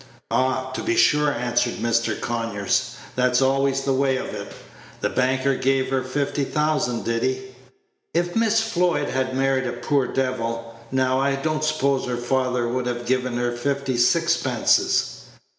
"Ah! to be sure," answered Mr. Conyers; "that's always the way of it. The banker gave her fifty thousand, did he? If Miss Floyd had married a poor devil, now, I don't suppose her father would have given her fifty sixpences."